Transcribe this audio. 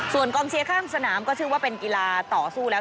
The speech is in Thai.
ส่วนกองเชียร์ข้ามสนามก็ชื่อว่าเป็นกีฬาต่อสู้แล้ว